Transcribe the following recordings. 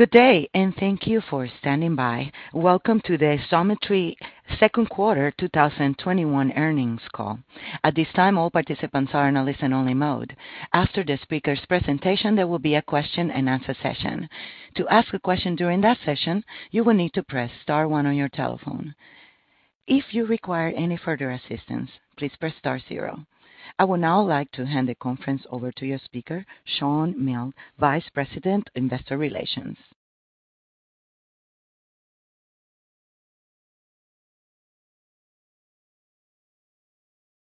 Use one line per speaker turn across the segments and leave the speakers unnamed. Good day, and thank you for standing by. Welcome to the Xometry second quarter 2021 earnings call. At this time, all participants are in a listen-only mode. After the speaker's presentation, there will be a question-and-answer session. To ask a question during that session, you will need to press star one on your telephone. If you require any further assistance, please press star zero. I would now like to hand the conference over to your speaker, Shawn Milne, Vice President of Investor Relations.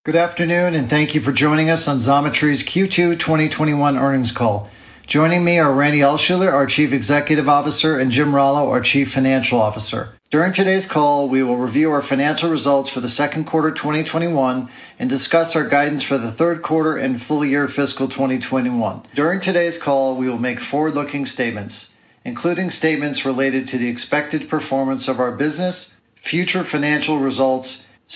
Good afternoon, and thank you for joining us on Xometry's Q2 2021 earnings call. Joining me are Randy Altschuler, our Chief Executive Officer, and Jim Rallo, our Chief Financial Officer. During today's call, we will review our financial results for the second quarter 2021 and discuss our guidance for the third quarter and full-year fiscal 2021. During today's call, we will make forward-looking statements, including statements related to the expected performance of our business, future financial results,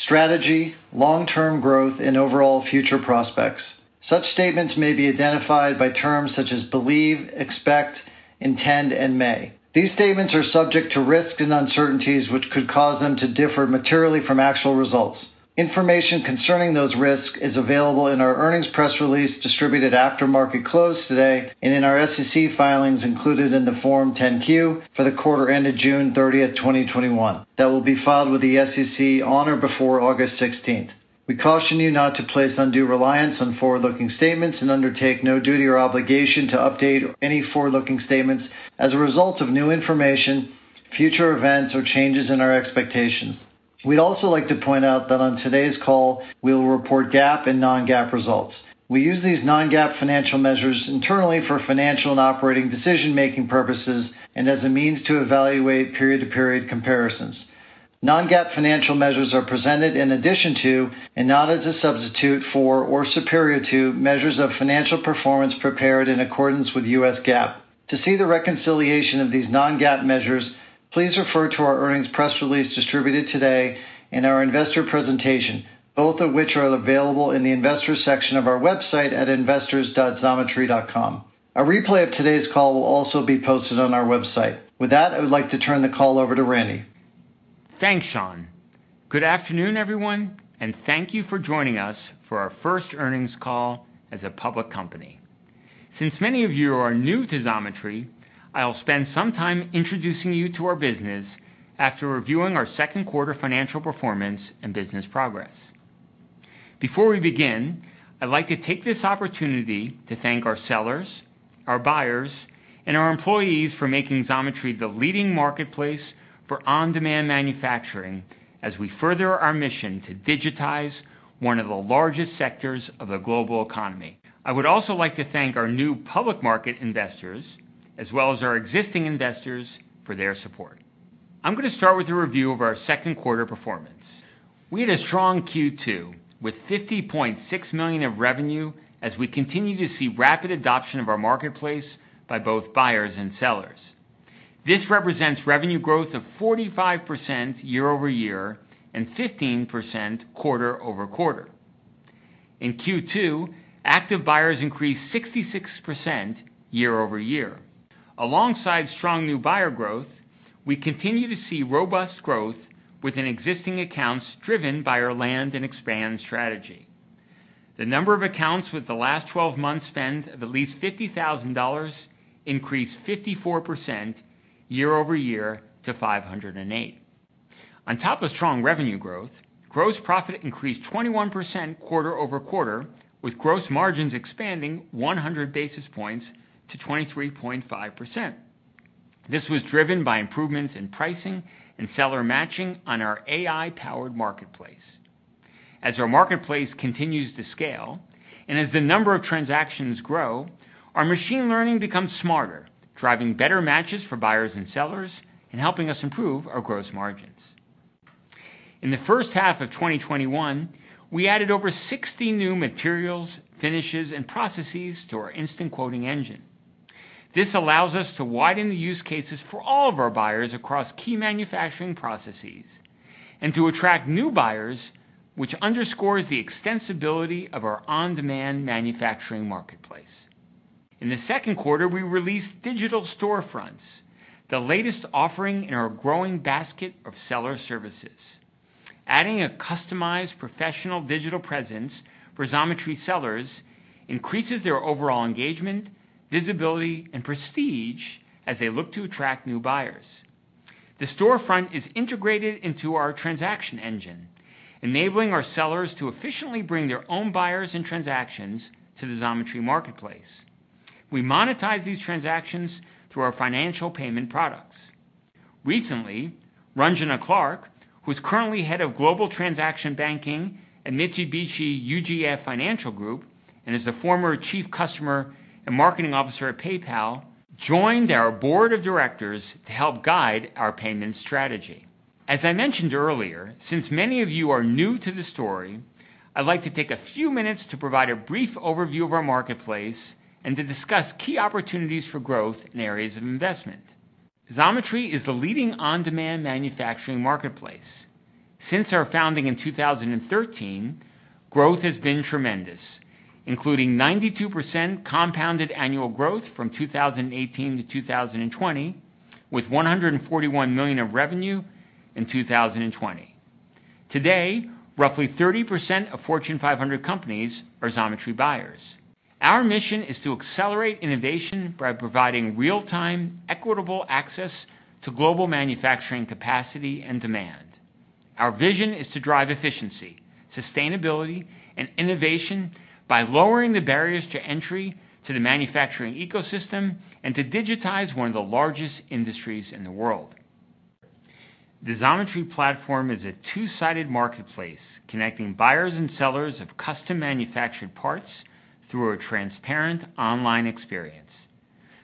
strategy, long-term growth, and overall future prospects. Such statements may be identified by terms such as believe, expect, intend, and may. These statements are subject to risks and uncertainties which could cause them to differ materially from actual results. Information concerning those risks is available in our earnings press release distributed after market close today and in our SEC filings included in the Form 10-Q for the quarter ended June 30, 2021, that will be filed with the SEC on or before August 16th. We caution you not to place undue reliance on forward-looking statements and undertake no duty or obligation to update any forward-looking statements as a result of new information, future events, or changes in our expectations. We'd also like to point out that on today's call, we will report GAAP and non-GAAP results. We use these non-GAAP financial measures internally for financial and operating decision-making purposes and as a means to evaluate period-to-period comparisons. Non-GAAP financial measures are presented in addition to, and not as a substitute for or superior to, measures of financial performance prepared in accordance with US GAAP. To see the reconciliation of these non-GAAP measures, please refer to our earnings press release distributed today and our investor presentation, both of which are available in the investors section of our website at investors.xometry.com. A replay of today's call will also be posted on our website. With that, I would like to turn the call over to Randy.
Thanks, Shawn. Good afternoon, everyone. Thank you for joining us for our first earnings call as a public company. Since many of you are new to Xometry, I'll spend some time introducing you to our business after reviewing our second quarter financial performance and business progress. Before we begin, I'd like to take this opportunity to thank our sellers, our buyers, and our employees for making Xometry the leading marketplace for on-demand manufacturing as we further our mission to digitize one of the largest sectors of the global economy. I would also like to thank our new public market investors, as well as our existing investors, for their support. I'm going to start with a review of our second quarter performance. We had a strong Q2 with $50.6 million of revenue as we continue to see rapid adoption of our marketplace by both buyers and sellers. This represents revenue growth of 45% year-over-year and 15% quarter-over-quarter. In Q2, active buyers increased 66% year-over-year. Alongside strong new buyer growth, we continue to see robust growth within existing accounts driven by our land and expand strategy. The number of accounts with the last 12-month spend of at least $50,000 increased 54% year-over-year to 508. On top of strong revenue growth, gross profit increased 21% quarter-over-quarter, with gross margins expanding 100 basis points to 23.5%. This was driven by improvements in pricing and seller matching on our AI-powered marketplace. As our marketplace continues to scale and as the number of transactions grow, our machine learning becomes smarter, driving better matches for buyers and sellers and helping us improve our gross margins. In the first half of 2021, we added over 60 new materials, finishes, and processes to our instant quoting engine. This allows us to widen the use cases for all of our buyers across key manufacturing processes and to attract new buyers, which underscores the extensibility of our on-demand manufacturing marketplace. In the second quarter, we released digital storefronts, the latest offering in our growing basket of seller services. Adding a customized professional digital presence for Xometry sellers increases their overall engagement, visibility, and prestige as they look to attract new buyers. The storefront is integrated into our transaction engine, enabling our sellers to efficiently bring their own buyers and transactions to the Xometry marketplace. We monetize these transactions through our financial payment products. Recently, Ranjana Clark, who is currently Head of Global Transaction Banking at Mitsubishi UFJ Financial Group and is the former Chief Customer and Marketing Officer at PayPal, joined our Board of Directors to help guide our payment strategy. As I mentioned earlier, since many of you are new to the story, I would like to take a few minutes to provide a brief overview of our marketplace and to discuss key opportunities for growth and areas of investment. Xometry is the leading on-demand manufacturing marketplace. Since our founding in 2013, growth has been tremendous, including 92% compounded annual growth from 2018 to 2020, with $141 million of revenue in 2020. Today, roughly 30% of Fortune 500 companies are Xometry buyers. Our mission is to accelerate innovation by providing real-time, equitable access to global manufacturing capacity and demand. Our vision is to drive efficiency, sustainability, and innovation by lowering the barriers to entry to the manufacturing ecosystem and to digitize one of the largest industries in the world. The Xometry platform is a two-sided marketplace, connecting buyers and sellers of custom manufactured parts through a transparent online experience.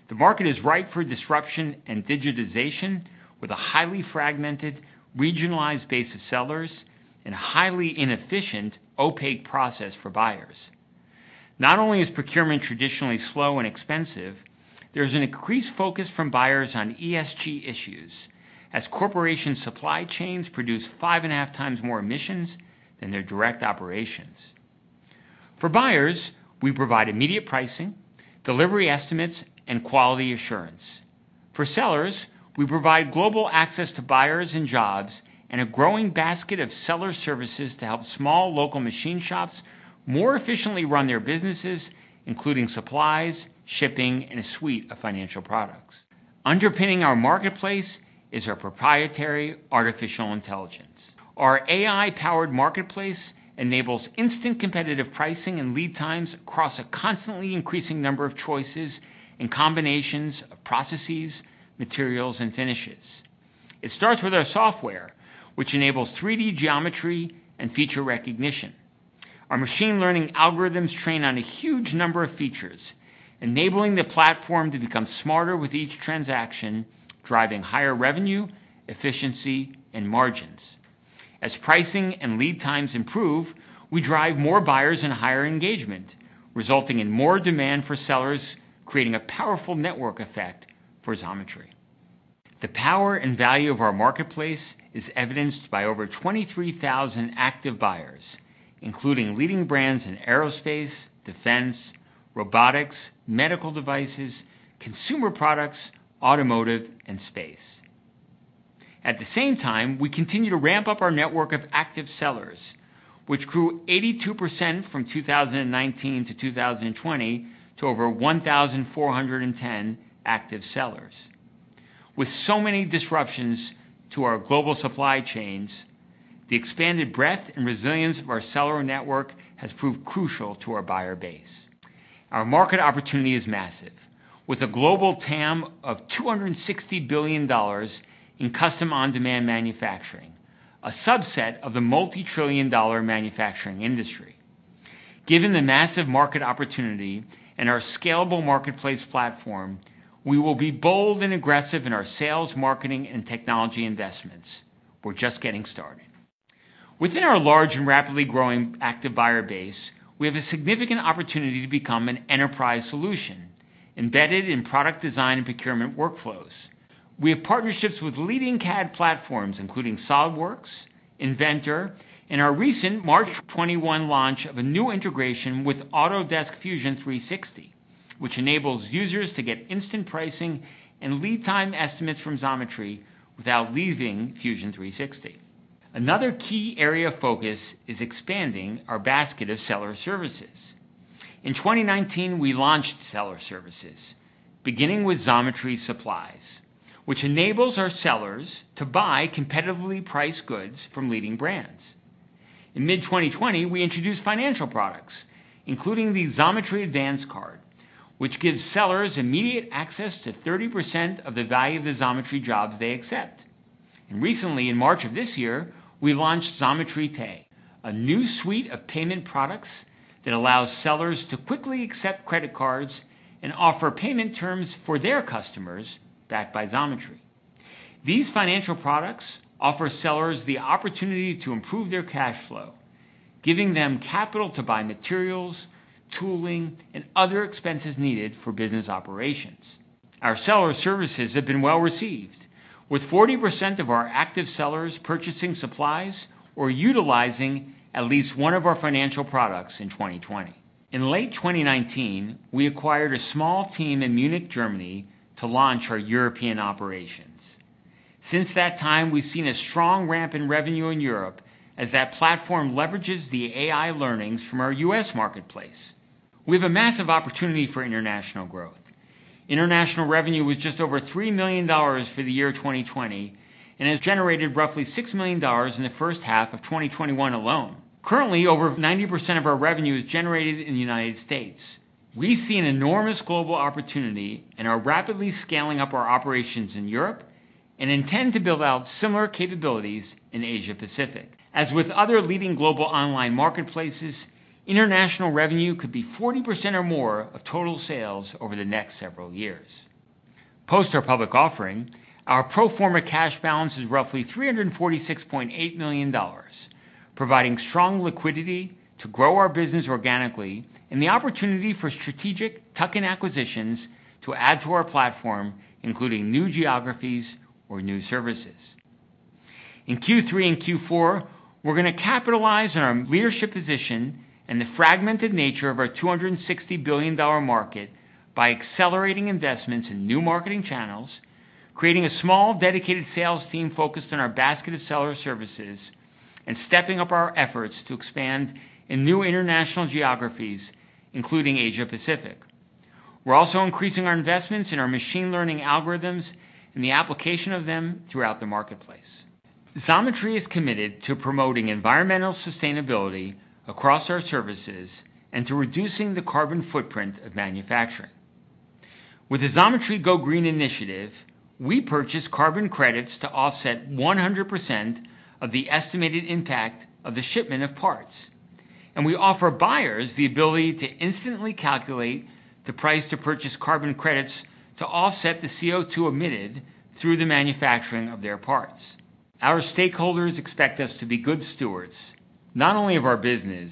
The market is ripe for disruption and digitization, with a highly fragmented, regionalized base of sellers and a highly inefficient, opaque process for buyers. Not only is procurement traditionally slow and expensive, there's an increased focus from buyers on ESG issues, as corporations' supply chains produce five and a half times more emissions than their direct operations. For buyers, we provide immediate pricing, delivery estimates, and quality assurance. For sellers, we provide global access to buyers and jobs and a growing basket of seller services to help small local machine shops more efficiently run their businesses, including supplies, shipping, and a suite of financial products. Underpinning our marketplace is our proprietary artificial intelligence. Our AI-powered marketplace enables instant competitive pricing and lead times across a constantly increasing number of choices and combinations of processes, materials, and finishes. It starts with our software, which enables 3D geometry and feature recognition. Our machine learning algorithms train on a huge number of features, enabling the platform to become smarter with each transaction, driving higher revenue, efficiency, and margins. As pricing and lead times improve, we drive more buyers and higher engagement, resulting in more demand for sellers, creating a powerful network effect for Xometry. The power and value of our marketplace is evidenced by over 23,000 active buyers, including leading brands in aerospace, defense, robotics, medical devices, consumer products, automotive, and space. At the same time, we continue to ramp up our network of active sellers, which grew 82% from 2019 to 2020 to over 1,410 active sellers. With so many disruptions to our global supply chains, the expanded breadth and resilience of our seller network has proved crucial to our buyer base. Our market opportunity is massive, with a global TAM of $260 billion in custom on-demand manufacturing, a subset of the multi-trillion dollar manufacturing industry. Given the massive market opportunity and our scalable marketplace platform, we will be bold and aggressive in our sales, marketing, and technology investments. We're just getting started. Within our large and rapidly growing active buyer base, we have a significant opportunity to become an enterprise solution embedded in product design and procurement workflows. We have partnerships with leading CAD platforms, including SOLIDWORKS, Inventor, and our recent March 2021 launch of a new integration with Autodesk Fusion 360, which enables users to get instant pricing and lead time estimates from Xometry without leaving Fusion 360. Another key area of focus is expanding our basket of seller services. In 2019, we launched seller services, beginning with Xometry Supplies, which enables our sellers to buy competitively priced goods from leading brands. In mid-2020, we introduced financial products, including the Xometry Advance Card, which gives sellers immediate access to 30% of the value of the Xometry jobs they accept. Recently, in March of this year, we launched Xometry Pay, a new suite of payment products that allows sellers to quickly accept credit cards and offer payment terms for their customers, backed by Xometry. These financial products offer sellers the opportunity to improve their cash flow, giving them capital to buy materials, tooling, and other expenses needed for business operations. Our seller services have been well-received, with 40% of our active sellers purchasing supplies or utilizing at least one of our financial products in 2020. In late 2019, we acquired a small team in Munich, Germany, to launch our European operations. Since that time, we've seen a strong ramp in revenue in Europe as that platform leverages the AI learnings from our U.S. marketplace. We have a massive opportunity for international growth. International revenue was just over $3 million for the year 2020 and has generated roughly $6 million in the first half of 2021 alone. Currently, over 90% of our revenue is generated in the United States. We see an enormous global opportunity and are rapidly scaling up our operations in Europe and intend to build out similar capabilities in Asia-Pacific. As with other leading global online marketplaces, international revenue could be 40% or more of total sales over the next several years. Post our public offering, our pro forma cash balance is roughly $346.8 million. Providing strong liquidity to grow our business organically and the opportunity for strategic tuck-in acquisitions to add to our platform, including new geographies or new services. In Q3 and Q4, we're going to capitalize on our leadership position and the fragmented nature of our $260 billion market by accelerating investments in new marketing channels, creating a small, dedicated sales team focused on our basket of seller services, and stepping up our efforts to expand in new international geographies, including Asia Pacific. We're also increasing our investments in our machine learning algorithms and the application of them throughout the marketplace. Xometry is committed to promoting environmental sustainability across our services and to reducing the carbon footprint of manufacturing. With the Xometry Go Green Initiative, we purchase carbon credits to offset 100% of the estimated impact of the shipment of parts, and we offer buyers the ability to instantly calculate the price to purchase carbon credits to offset the CO2 emitted through the manufacturing of their parts. Our stakeholders expect us to be good stewards, not only of our business,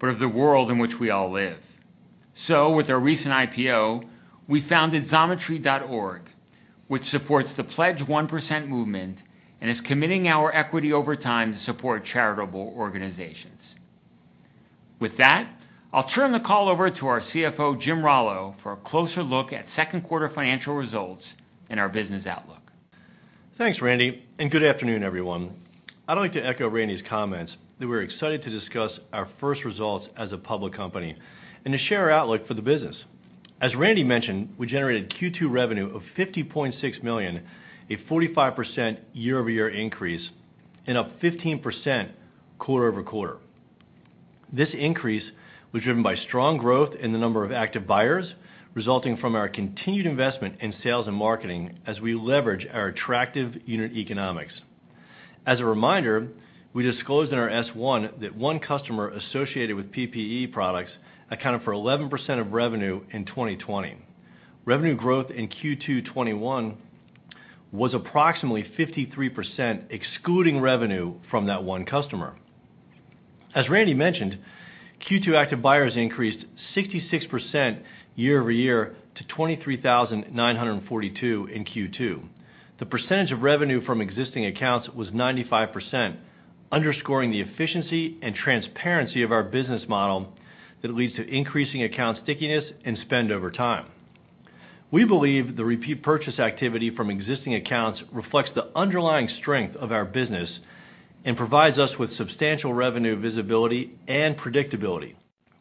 but of the world in which we all live. With our recent IPO, we founded Xometry.org, which supports the Pledge 1% movement and is committing our equity over time to support charitable organizations. With that, I'll turn the call over to our CFO, Jim Rallo, for a closer look at second quarter financial results and our business outlook.
Thanks, Randy. Good afternoon, everyone. I'd like to echo Randy's comments that we're excited to discuss our first results as a public company and to share our outlook for the business. As Randy mentioned, we generated Q2 revenue of $50.6 million, a 45% year-over-year increase and up 15% quarter-over-quarter. This increase was driven by strong growth in the number of active buyers, resulting from our continued investment in sales and marketing as we leverage our attractive unit economics. As a reminder, we disclosed in our S1 that one customer associated with PPE products accounted for 11% of revenue in 2020. Revenue growth in Q2 2021 was approximately 53%, excluding revenue from that one customer. As Randy mentioned, Q2 active buyers increased 66% year-over-year to 23,942 in Q2. The percentage of revenue from existing accounts was 95%, underscoring the efficiency and transparency of our business model that leads to increasing account stickiness and spend over time. We believe the repeat purchase activity from existing accounts reflects the underlying strength of our business and provides us with substantial revenue visibility and predictability.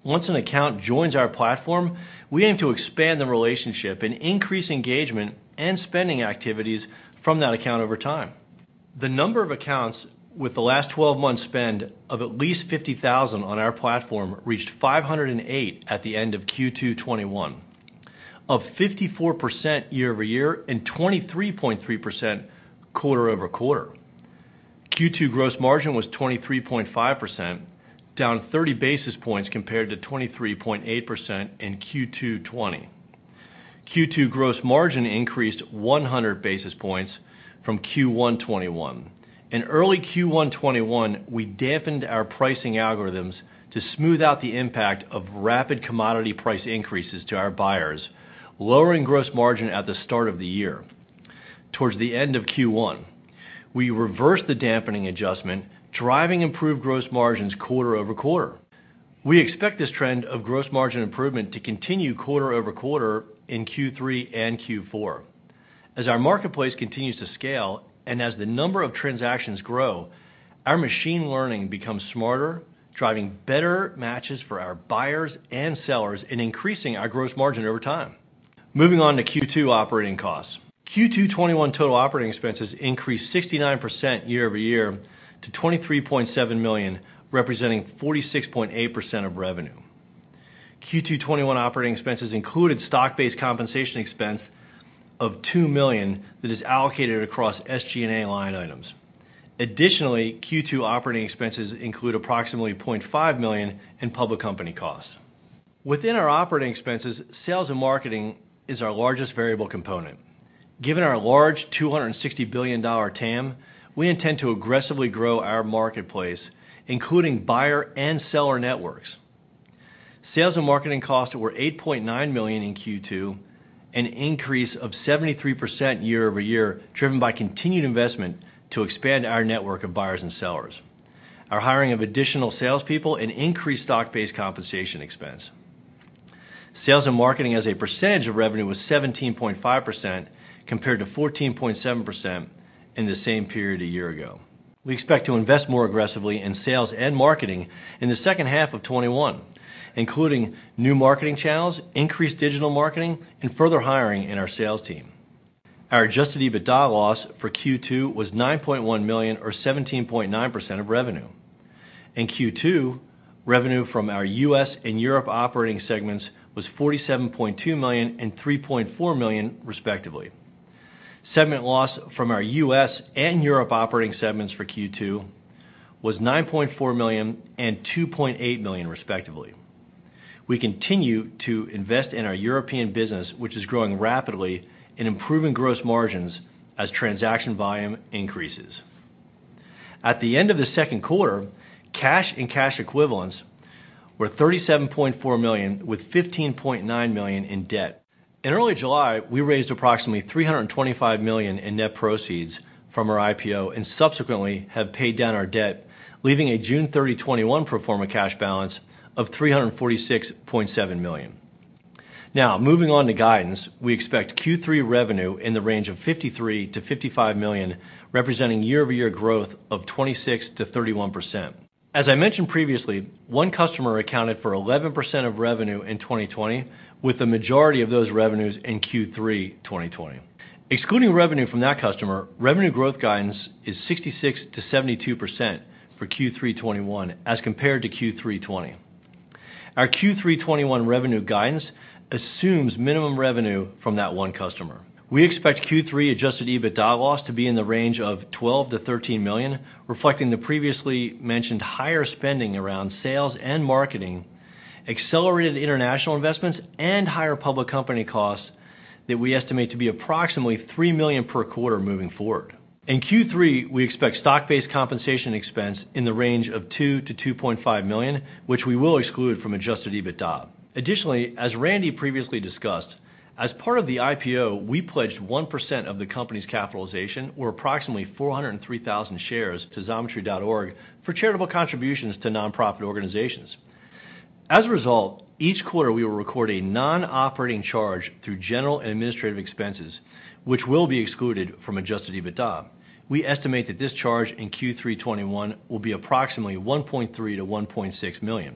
Once an account joins our platform, we aim to expand the relationship and increase engagement and spending activities from that account over time. The number of accounts with the last 12 months spend of at least $50,000 on our platform reached 508 at the end of Q2 2021, up 54% year-over-year and 23.3% quarter-over-quarter. Q2 gross margin was 23.5%, down 30 basis points compared to 23.8% in Q2 2020. Q2 gross margin increased 100 basis points from Q1 2021. In early Q1 2021, we dampened our pricing algorithms to smooth out the impact of rapid commodity price increases to our buyers, lowering gross margin at the start of the year. Towards the end of Q1, we reversed the dampening adjustment, driving improved gross margins quarter-over-quarter. We expect this trend of gross margin improvement to continue quarter-over-quarter in Q3 and Q4. As our marketplace continues to scale and as the number of transactions grow, our machine learning becomes smarter, driving better matches for our buyers and sellers, and increasing our gross margin over time. Moving on to Q2 operating costs. Q2 2021 total operating expenses increased 69% year-over-year to $23.7 million, representing 46.8% of revenue. Q2 2021 operating expenses included stock-based compensation expense of $2 million that is allocated across SG&A line items.a Additionally, Q2 operating expenses include approximately $0.5 million in public company costs. Within our operating expenses, sales and marketing is our largest variable component. Given our large $260 billion TAM, we intend to aggressively grow our marketplace, including buyer and seller networks. Sales and marketing costs were $8.9 million in Q2, an increase of 73% year-over-year, driven by continued investment to expand our network of buyers and sellers, our hiring of additional salespeople, and increased stock-based compensation expense. Sales and marketing as a percentage of revenue was 17.5% compared to 14.7% in the same period a year ago. We expect to invest more aggressively in sales and marketing in the second half of 2021, including new marketing channels, increased digital marketing, and further hiring in our sales team. Our adjusted EBITDA loss for Q2 was $9.1 million, or 17.9% of revenue. In Q2, revenue from our U.S. and Europe operating segments was $47.2 million and $3.4 million, respectively. Segment loss from our U.S. and Europe operating segments for Q2 was $9.4 million and $2.8 million, respectively. We continue to invest in our European business, which is growing rapidly and improving gross margins as transaction volume increases. At the end of the second quarter, cash and cash equivalents were $37.4 million, with $15.9 million in debt. In early July, we raised approximately $325 million in net proceeds from our IPO and subsequently have paid down our debt, leaving a June 30, 2021 pro forma cash balance of $346.7 million. Moving on to guidance, we expect Q3 revenue in the range of $53 million-$55 million, representing year-over-year growth of 26%-31%. As I mentioned previously, one customer accounted for 11% of revenue in 2020, with the majority of those revenues in Q3 2020. Excluding revenue from that customer, revenue growth guidance is 66%-72% for Q3 2021 as compared to Q3 2020. Our Q3 2021 revenue guidance assumes minimum revenue from that one customer. We expect Q3 adjusted EBITDA loss to be in the range of $12 million-$13 million, reflecting the previously mentioned higher spending around sales and marketing, accelerated international investments, and higher public company costs that we estimate to be approximately $3 million per quarter moving forward. In Q3, we expect stock-based compensation expense in the range of $2 million-$2.5 million, which we will exclude from adjusted EBITDA. Additionally, as Randy previously discussed, as part of the IPO, we pledged 1% of the company's capitalization, or approximately 403,000 shares, to Xometry.org for charitable contributions to nonprofit organizations. As a result, each quarter we will record a non-operating charge through general and administrative expenses, which will be excluded from adjusted EBITDA. We estimate that this charge in Q3 2021 will be approximately $1.3 million-$1.6 million.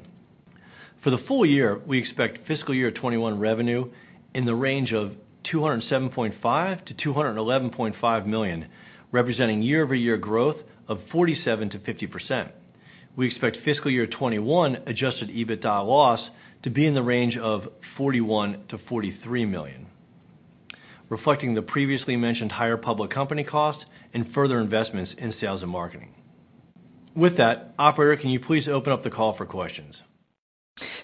For the full year, we expect fiscal year 2021 revenue in the range of $207.5 million-$211.5 million, representing year-over-year growth of 47%-50%. We expect fiscal year 2021 adjusted EBITDA loss to be in the range of $41 million-$43 million, reflecting the previously mentioned higher public company costs and further investments in sales and marketing. With that, operator, can you please open up the call for questions?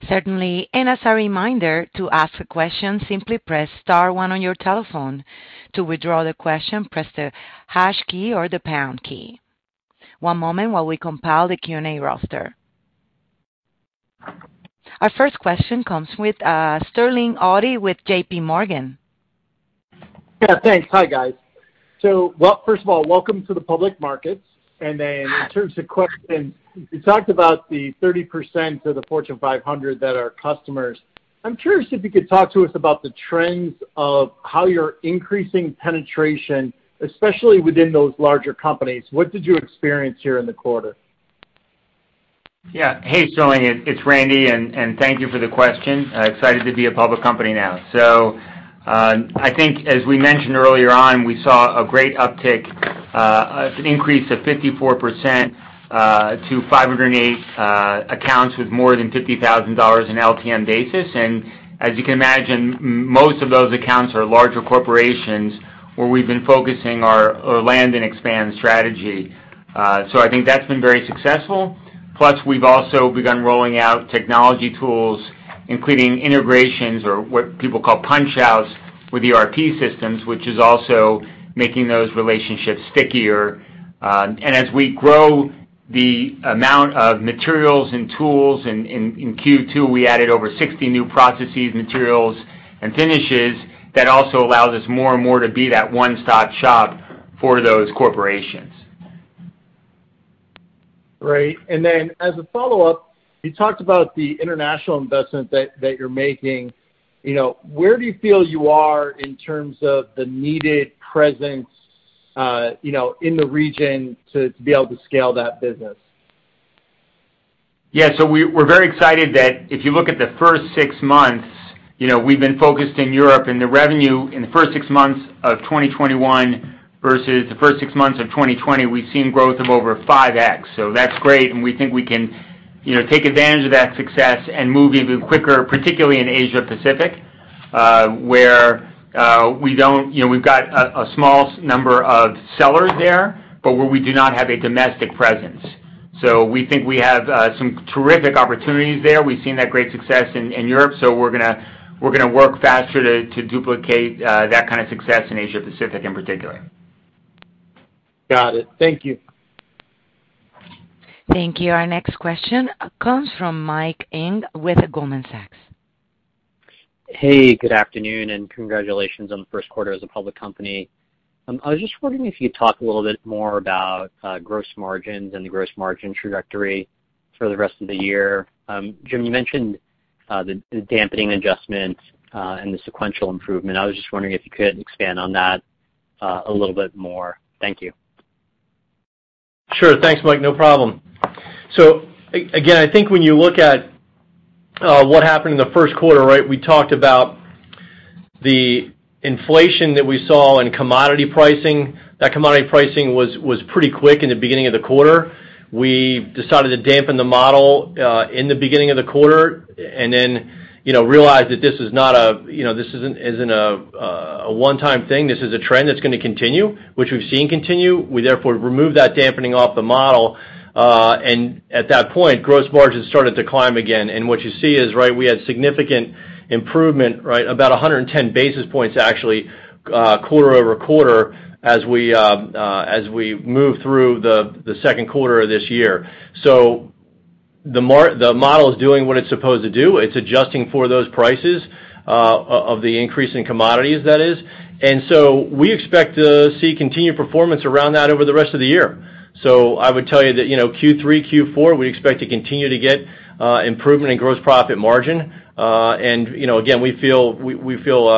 Certainly. As a reminder, to ask a question, simply press star one on your telephone. To withdraw the question, press the hash key or the pound key. One moment while we compile the Q&A roster. Our first question comes with Sterling Auty with JPMorgan.
Yeah, thanks. Hi, guys. First of all, welcome to the public markets. In terms of questions, you talked about the 30% of the Fortune 500 that are customers. I'm curious if you could talk to us about the trends of how you're increasing penetration, especially within those larger companies. What did you experience here in the quarter?
Hey, Sterling, it's Randy. Thank you for the question. Excited to be a public company now. I think, as we mentioned earlier on, we saw a great uptick, an increase of 54% to 508 accounts with more than $50,000 in LTM basis. As you can imagine, most of those accounts are larger corporations where we've been focusing our land and expand strategy. I think that's been very successful. Plus, we've also begun rolling out technology tools, including integrations or what people call punch-outs with ERP systems, which is also making those relationships stickier. As we grow the amount of materials and tools, in Q2, we added over 60 new processes, materials, and finishes. That also allows us more and more to be that one-stop shop for those corporations.
Great. As a follow-up, you talked about the international investment that you're making. Where do you feel you are in terms of the needed presence in the region to be able to scale that business?
We're very excited that if you look at the first six months, we've been focused in Europe, and the revenue in the first six months of 2021 versus the first six months of 2020, we've seen growth of over 5X. That's great, and we think we can take advantage of that success and move even quicker, particularly in Asia-Pacific, where we've got a small number of sellers there, but where we do not have a domestic presence. We think we have some terrific opportunities there. We've seen that great success in Europe. We're going to work faster to duplicate that kind of success in Asia-Pacific in particular.
Got it. Thank you.
Thank you. Our next question comes from Mike Ng with Goldman Sachs.
Hey, good afternoon, and congratulations on the first quarter as a public company. I was just wondering if you'd talk a little bit more about gross margins and the gross margin trajectory for the rest of the year? Jim, you mentioned the dampening adjustment and the sequential improvement. I was just wondering if you could expand on that a little bit more? Thank you.
Sure. Thanks, Mike. No problem. Again, I think when you look at what happened in the first quarter, we talked about the inflation that we saw in commodity pricing. That commodity pricing was pretty quick in the beginning of the quarter. We decided to dampen the model in the beginning of the quarter and then realized that this isn't a one-time thing. This is a trend that's going to continue, which we've seen continue. We therefore removed that dampening off the model. At that point, gross margins started to climb again. What you see is we had significant improvement about 110 basis points actually, quarter-over-quarter as we move through the second quarter of this year. The model is doing what it's supposed to do. It's adjusting for those prices of the increase in commodities, that is. We expect to see continued performance around that over the rest of the year. I would tell you that Q3, Q4, we expect to continue to get improvement in gross profit margin. Again, we feel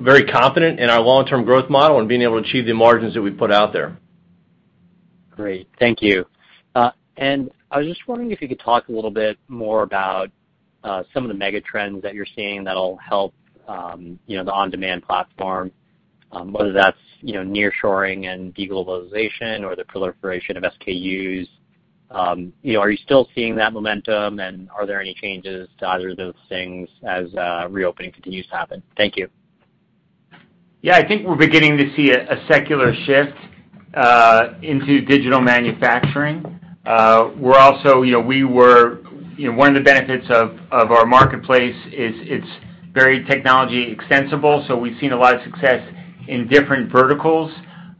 very confident in our long-term growth model and being able to achieve the margins that we put out there.
Great. Thank you. I was just wondering if you could talk a little bit more about some of the mega trends that you're seeing that'll help the on-demand platform, whether that's nearshoring and de-globalization or the proliferation of SKUs. Are you still seeing that momentum and are there any changes to either of those things as reopening continues to happen? Thank you.
Yeah, I think we're beginning to see a secular shift into digital manufacturing. One of the benefits of our marketplace is it's very technology extensible. We've seen a lot of success in different verticals.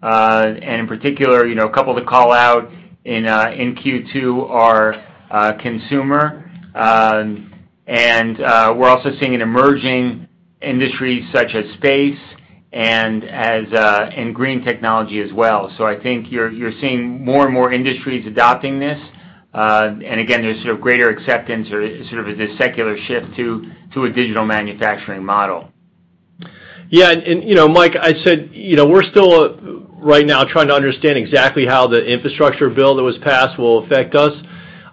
In particular, a couple to call out in Q2 are consumer, and we're also seeing an emerging industry such as space and green technology as well. I think you're seeing more and more industries adopting this. Again, there's sort of greater acceptance or sort of this secular shift to a digital manufacturing model.
Yeah. Mike, I said we're still right now trying to understand exactly how the infrastructure bill that was passed will affect us.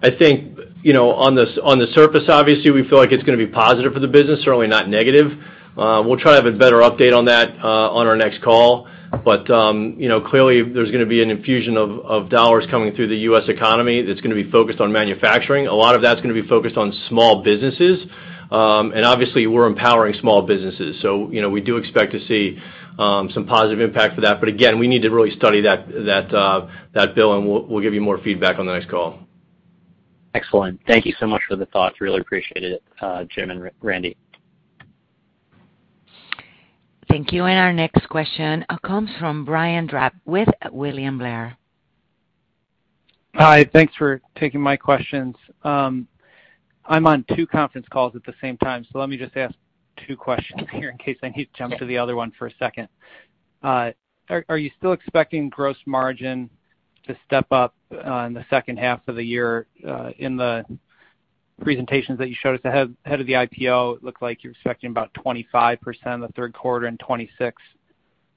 I think, on the surface, obviously, we feel like it's going to be positive for the business, certainly not negative. We'll try to have a better update on that on our next call. Clearly, there's going to be an infusion of dollars coming through the U.S. economy that's going to be focused on manufacturing. A lot of that's going to be focused on small businesses. Obviously, we're empowering small businesses, we do expect to see some positive impact for that. Again, we need to really study that bill, and we'll give you more feedback on the next call.
Excellent. Thank you so much for the thoughts. Really appreciate it, Jim and Randy.
Thank you. Our next question comes from Brian Drab with William Blair.
Hi. Thanks for taking my questions. I'm on two conference calls at the same time, so let me just ask two questions here in case I need to jump to the other one for a second. Are you still expecting gross margin to step up on the second half of the year? In the presentations that you showed us ahead of the IPO, it looked like you were expecting about 25% in the third quarter and 26%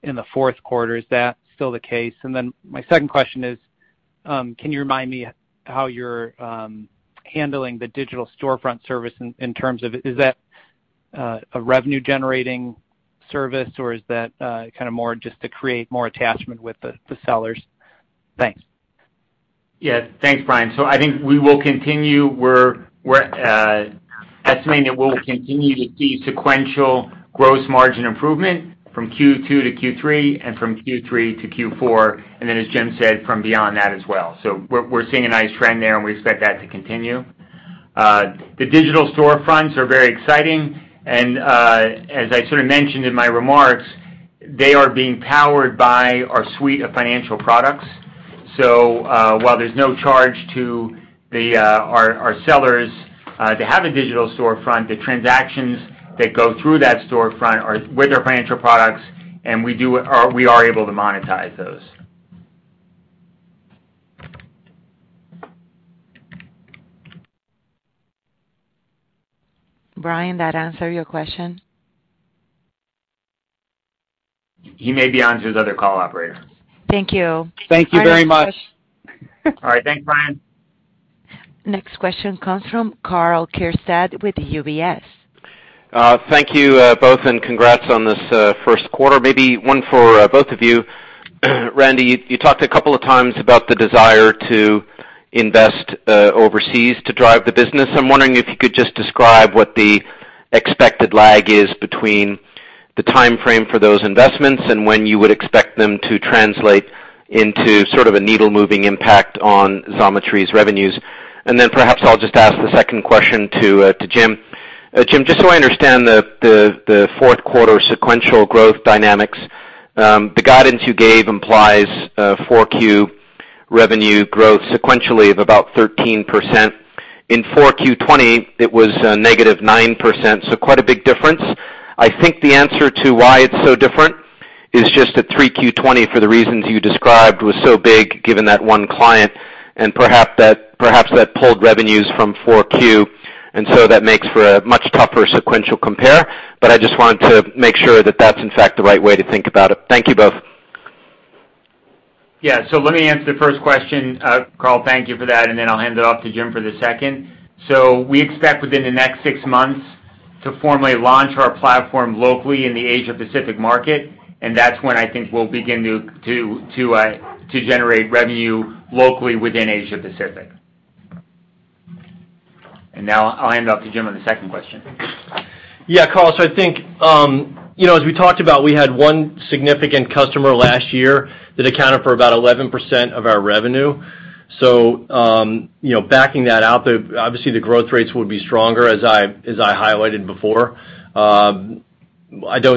in the fourth quarter. Is that still the case? My second question is, can you remind me how you're handling the digital storefront service in terms of, is that a revenue-generating service, or is that kind of more just to create more attachment with the sellers? Thanks.
Thanks, Brian. I think we're estimating that we'll continue to see sequential gross margin improvement from Q2 to Q3 and from Q3 to Q4, and then, as Jim said, from beyond that as well. We're seeing a nice trend there, and we expect that to continue. The digital storefronts are very exciting, and as I sort of mentioned in my remarks, they are being powered by our suite of financial products. While there's no charge to our sellers to have a digital storefront, the transactions that go through that storefront are with our financial products, and we are able to monetize those.
Brian, that answer your question?
He may be on to his other call, Operator.
Thank you.
Thank you very much.
All right. Thanks, Brian.
Next question comes from Karl Keirstead with UBS.
Thank you, both, and congrats on this first quarter. Maybe one for both of you. Randy, you talked a couple of times about the desire to invest overseas to drive the business. I'm wondering if you could just describe what the expected lag is between the timeframe for those investments and when you would expect them to translate into sort of a needle-moving impact on Xometry's revenues. Perhaps I'll just ask the second question to Jim. Jim, just so I understand the fourth quarter sequential growth dynamics, the guidance you gave implies 4Q revenue growth sequentially of about 13%. In 4Q 2020, it was a -9%, so quite a big difference. I think the answer to why it's so different is just that 3Q 2020, for the reasons you described, was so big given that one client, perhaps that pulled revenues from 4Q, that makes for a much tougher sequential compare. I just wanted to make sure that that's, in fact, the right way to think about it. Thank you both.
Yeah. Let me answer the first question, Karl, thank you for that, and then I'll hand it off to Jim for the second. We expect within the next six months to formally launch our platform locally in the Asia Pacific market, and that's when I think we'll begin to generate revenue locally within Asia Pacific. Now I'll hand it off to Jim on the second question.
Yeah, Karl. I think, as we talked about, we had one significant customer last year that accounted for about 11% of our revenue. Backing that out, obviously the growth rates would be stronger, as I highlighted before. Back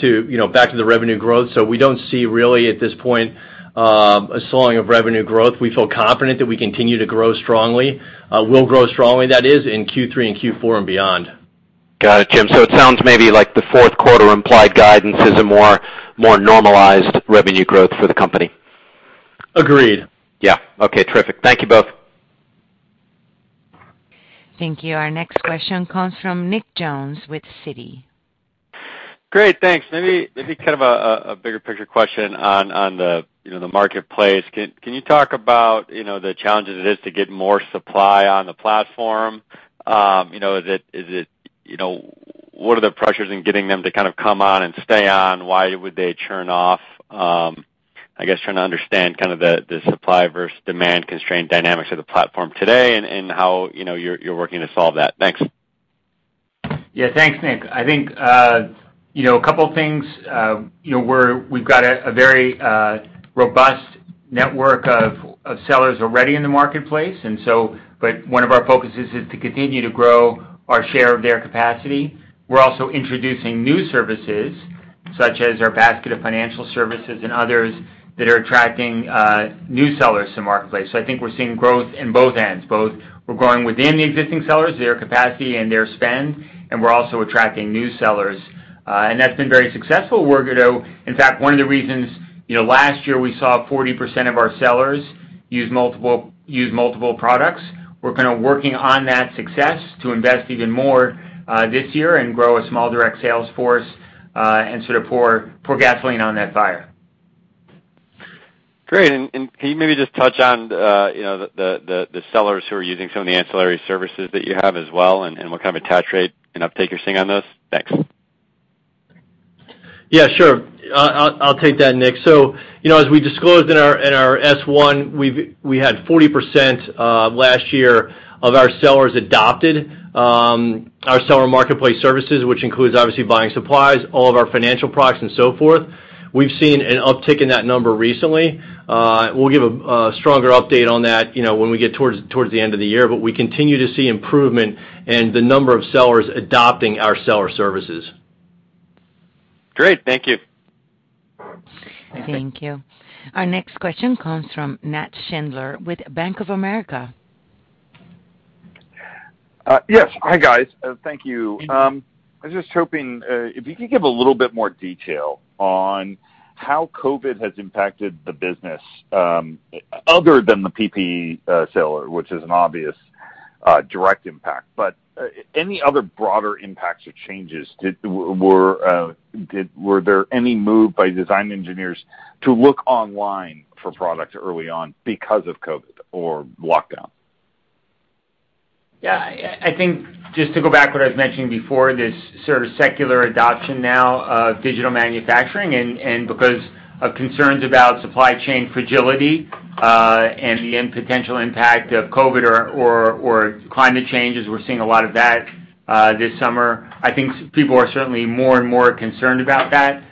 to the revenue growth, we don't see really at this point a slowing of revenue growth. We feel confident that we continue to grow strongly, will grow strongly, that is, in Q3 and Q4 and beyond.
Got it, Jim. It sounds maybe like the fourth quarter implied guidance is a more normalized revenue growth for the company.
Agreed.
Yeah. Okay, terrific. Thank you both.
Thank you. Our next question comes from Nick Jones with Citi.
Great, thanks. Kind of a bigger picture question on the marketplace. Can you talk about the challenges it is to get more supply on the platform? What are the pressures in getting them to come on and stay on? Why would they churn off? I guess trying to understand kind of the supply versus demand constraint dynamics of the platform today and how you're working to solve that. Thanks.
Yeah. Thanks, Nick. I think, a couple of things. We've got a very robust network of sellers already in the marketplace, but one of our focuses is to continue to grow our share of their capacity. We're also introducing new services, such as our basket of financial services and others, that are attracting new sellers to the marketplace. I think we're seeing growth in both ends. Both we're growing within the existing sellers, their capacity and their spend, and we're also attracting new sellers. That's been very successful. In fact, one of the reasons last year we saw 40% of our sellers use multiple products, we're kind of working on that success to invest even more this year and grow a small direct sales force, and sort of pour gasoline on that fire.
Great. Can you maybe just touch on the sellers who are using some of the ancillary services that you have as well, and what kind of attach rate and uptake you're seeing on those? Thanks.
Yeah, sure. I'll take that, Nick. As we disclosed in our S1, we had 40% last year of our sellers adopted our seller marketplace services, which includes obviously buying supplies, all of our financial products and so forth. We've seen an uptick in that number recently. We'll give a stronger update on that when we get towards the end of the year, but we continue to see improvement in the number of sellers adopting our seller services.
Great. Thank you.
Thank you. Our next question comes from Nat Schindler with Bank of America.
Yes. Hi, guys. Thank you. I was just hoping if you could give a little bit more detail on how COVID has impacted the business, other than the PPE seller, which is an obvious direct impact. Any other broader impacts or changes? Were there any move by design engineers to look online for products early on because of COVID or lockdown?
Yeah. I think just to go back what I was mentioning before, this sort of secular adoption now of digital manufacturing, because of concerns about supply chain fragility, and the potential impact of COVID or climate change, as we're seeing a lot of that this summer. I think people are certainly more and more concerned about that,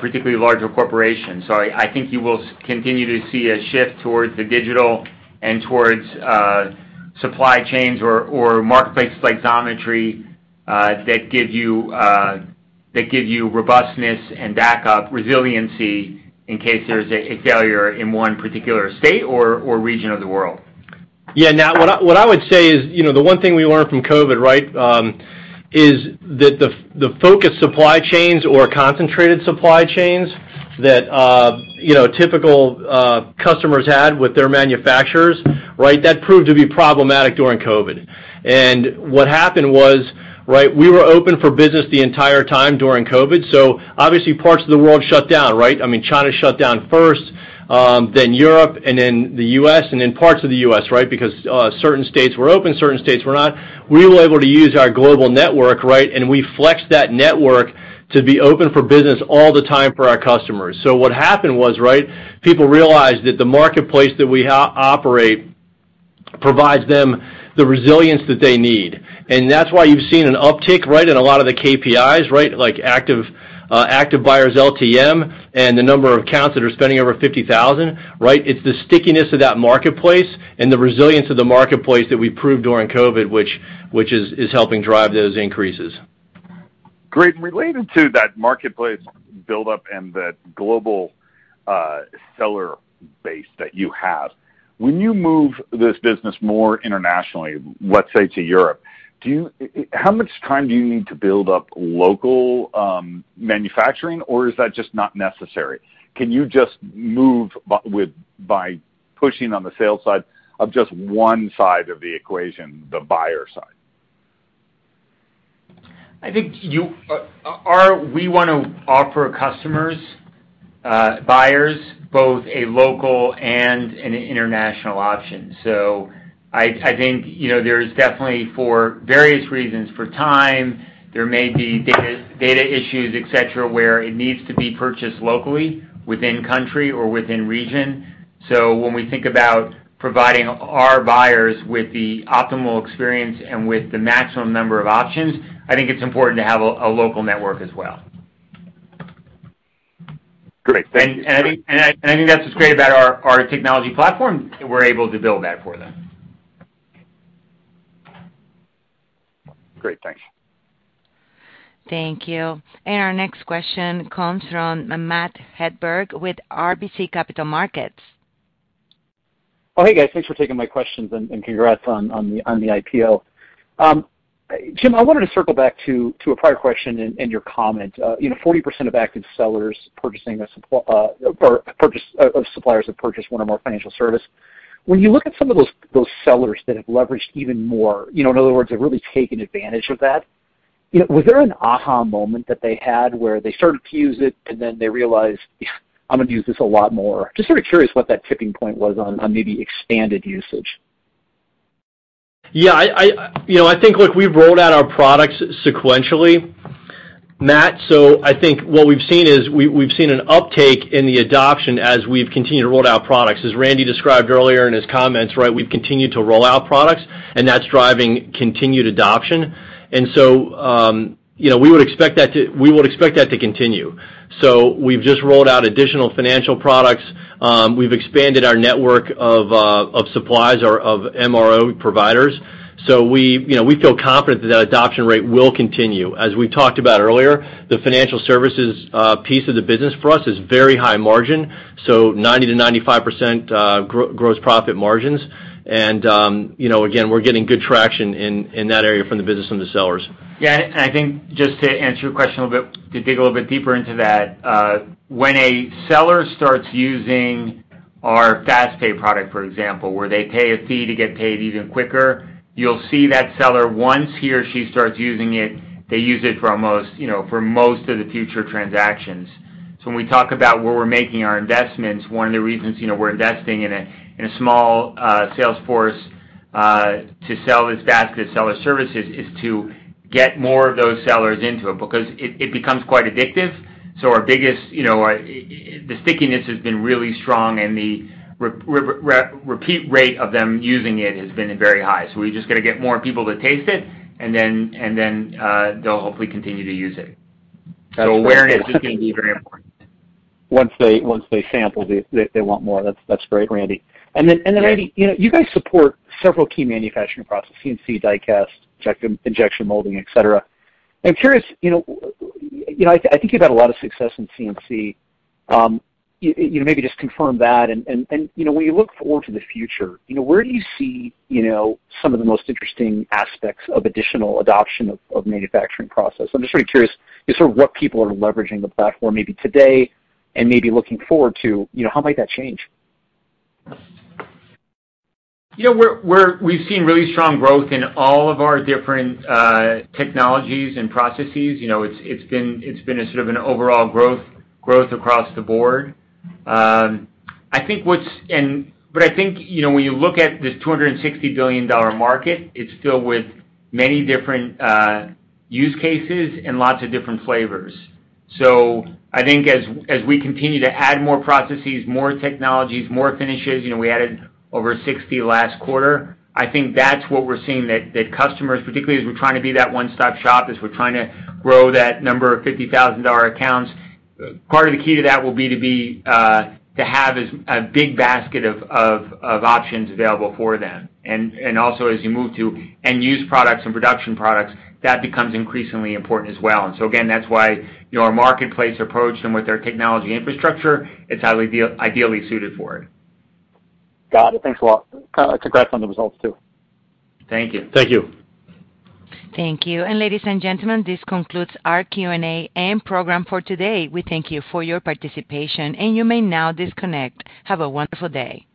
particularly larger corporations. I think you will continue to see a shift towards the digital and towards supply chains or marketplaces like Xometry, that give you robustness and backup resiliency in case there's a failure in one particular state or region of the world.
Yeah. Nat, what I would say is, the one thing we learned from COVID is that the focused supply chains or concentrated supply chains that typical customers had with their manufacturers, that proved to be problematic during COVID. What happened was, we were open for business the entire time during COVID, obviously parts of the world shut down. I mean, China shut down first, then Europe, and then the U.S., and then parts of the U.S. Because certain states were open, certain states were not. We were able to use our global network, and we flexed that network to be open for business all the time for our customers. What happened was, people realized that the marketplace that we operate provides them the resilience that they need. That's why you've seen an uptick in a lot of the KPIs, like active buyers LTM and the number of accounts that are spending over $50,000. It's the stickiness of that marketplace and the resilience of the marketplace that we proved during COVID, which is helping drive those increases.
Great. Related to that marketplace buildup and the global seller base that you have, when you move this business more internationally, let's say to Europe, how much time do you need to build up local manufacturing, or is that just not necessary? Can you just move by pushing on the sales side of just one side of the equation, the buyer side?
We want to offer customers, buyers, both a local and an international option. I think there's definitely for various reasons, for time, there may be data issues, et cetera, where it needs to be purchased locally within country or within region. When we think about providing our buyers with the optimal experience and with the maximum number of options, I think it's important to have a local network as well.
Great. Thank you.
I think that's what's great about our technology platform, that we're able to build that for them.
Great, thanks.
Thank you. Our next question comes from Matt Hedberg with RBC Capital Markets.
Oh, hey, guys. Thanks for taking my questions, and congrats on the IPO. Jim, I wanted to circle back to a prior question in your comment. 40% of active suppliers have purchased one of our financial service. When you look at some of those sellers that have leveraged even more, in other words, have really taken advantage of that, was there an aha moment that they had where they started to use it, and then they realized, "I'm going to use this a lot more"? Just sort of curious what that tipping point was on maybe expanded usage.
Yeah. I think, look, we've rolled out our products sequentially, Matt. I think what we've seen is we've seen an uptake in the adoption as we've continued to roll out products. As Randy described earlier in his comments, we've continued to roll out products, and that's driving continued adoption. We would expect that to continue. We've just rolled out additional financial products. We've expanded our network of suppliers, of MRO providers. We feel confident that that adoption rate will continue. As we talked about earlier, the financial services piece of the business for us is very high margin, so 90%-95% gross profit margins. Again, we're getting good traction in that area from the business and the sellers.
I think just to answer your question a little bit, to dig a little bit deeper into that, when a seller starts using our FastPay product, for example, where they pay a fee to get paid even quicker, you'll see that seller, once he or she starts using it, they use it for most of the future transactions. When we talk about where we're making our investments, one of the reasons we're investing in a small sales force to sell this basket of seller services is to get more of those sellers into it, because it becomes quite addictive. The stickiness has been really strong, and the repeat rate of them using it has been very high. We've just got to get more people to taste it, and then they'll hopefully continue to use it. That awareness is going to be very important.
Once they sample it, they want more. That's great, Randy. Randy, you guys support several key manufacturing processes, CNC, die cast, injection molding, et cetera. I am curious, I think you've had a lot of success in CNC. Maybe just confirm that. When you look forward to the future, where do you see some of the most interesting aspects of additional adoption of manufacturing process? I am just really curious just sort of what people are leveraging the platform maybe today and maybe looking forward to, how might that change?
We've seen really strong growth in all of our different technologies and processes. It's been a sort of an overall growth across the board. I think when you look at this $260 billion market, it's filled with many different use cases and lots of different flavors. I think as we continue to add more processes, more technologies, more finishes, we added over 60 last quarter, I think that's what we're seeing, that customers, particularly as we're trying to be that one-stop shop, as we're trying to grow that number of 50,000 of our accounts, part of the key to that will be to have a big basket of options available for them. Also as you move to end-use products and production products, that becomes increasingly important as well. Again, that's why our marketplace approach and with our technology infrastructure, it's ideally suited for it.
Got it. Thanks a lot. Congrats on the results, too.
Thank you.
Thank you.
Thank you. Ladies and gentlemen, this concludes our Q&A and program for today. We thank you for your participation, and you may now disconnect. Have a wonderful day.